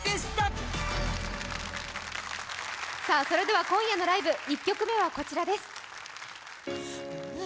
それでは今夜のライブ１曲目はこちらです。